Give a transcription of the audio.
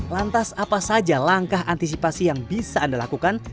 lantas apa saja langkah antisipasi yang bisa anda lakukan